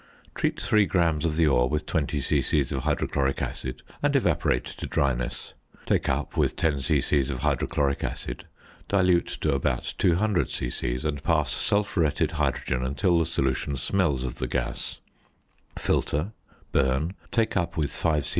~ Treat 3 grams of the ore with 20 c.c. of hydrochloric acid, and evaporate to dryness. Take up with 10 c.c. of hydrochloric acid; dilute to about 200 c.c., and pass sulphuretted hydrogen until the solution smells of the gas; filter, burn, take up with 5 c.c.